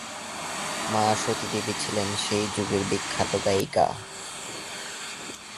মা সতী দেবী ছিলেন সেই যুগের বিখ্যাত গায়িকা।